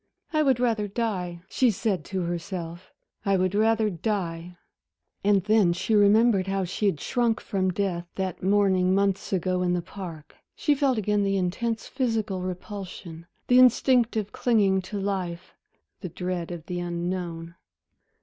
"I would rather die," she said to herself, "I would rather die." And then she remembered how she had shrunk from death that morning months ago in the park. She felt again the intense physical repulsion, the instinctive clinging to life, the dread of the unknown....